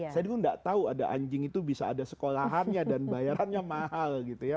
saya dulu tidak tahu ada anjing itu bisa ada sekolahannya dan bayarannya mahal